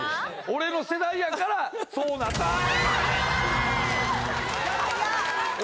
俺の世代やからそうなっあー！